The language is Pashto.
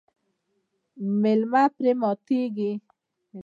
میلمه پرې ماتیږي.